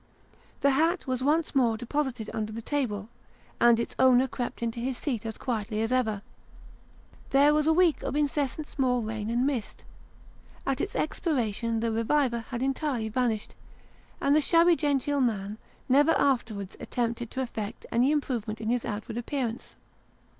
The hat was once more deposited under the table, and its owner crept into his seat as quietly as ever. There was a week of incessant small rain and mist. At its expira tion the " reviver " had entirely vanished, and the shabby genteel mau never afterwards attempted to effect any improvement in his outward appearance.